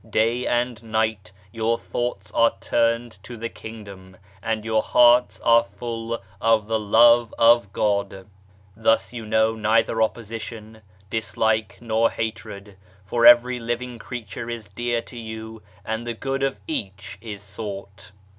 Day and night your thoughts are turned to the Kingdom, and your hearts are full of the Love of God. Thus you know neither opposition, dislike, nor hatred, for every living creature is dear to you and the good of each is sought.